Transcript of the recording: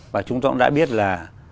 và chúng tôi cũng đã biết là